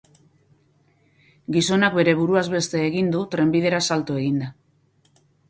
Gizonak bere buruaz beste egin du, trenbidera salto eginda.